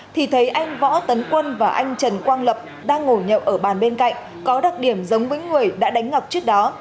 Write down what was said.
thì thấy anh võ tấn quân và anh trần quang lập đang ngồi nhậu ở bàn bên cạnh có đặc điểm giống với người đã đánh ngọc trước đó